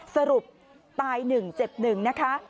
สรุปตายหนึ่งเจ็บหนึ่งนะคะ